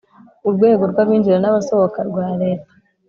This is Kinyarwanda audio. urwego rw’abinjira n’abasohoka rwa leta